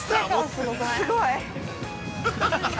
◆すごい。